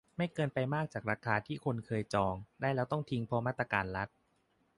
ไม่เกินไปมากจากราคาที่คนเคยจองได้แล้วต้องทิ้งเพราะมาตรการรัฐ